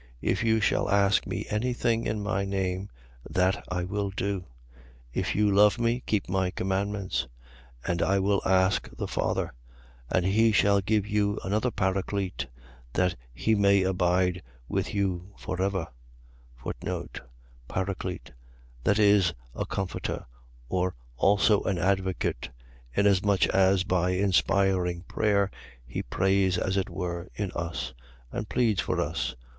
14:14. If you shall ask me any thing in my name, that I will do. 14:15. If you love me, keep my commandments. 14:16. And I will ask the Father: and he shall give you another Paraclete, that he may abide with you for ever: Paraclete. . .That is, a comforter: or also an advocate; inasmuch as by inspiring prayer, he prays, as it were, in us, and pleads for us.